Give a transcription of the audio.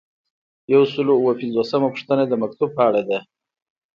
یو سل او اووه پنځوسمه پوښتنه د مکتوب په اړه ده.